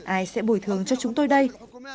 ai sẽ bồi thường cho chúng tôi đây